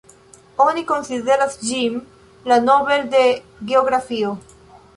Oni konsideras ĝin la Nobel de geografio.